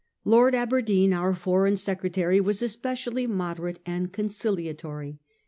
Lord Aberdeen, our Foreign Secretary, was especially moderate and conciliatory.